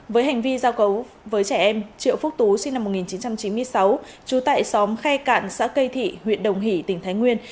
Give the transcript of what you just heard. với hành vi giao cấu với trẻ em triệu phúc tú sinh năm một nghìn chín trăm chín mươi sáu trú tại xóm khe cạn xã cây thị huyện đồng hỷ tỉnh thái nguyên